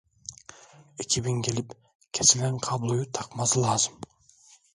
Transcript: Ekibin gelip kesilen kabloyu takması lazım.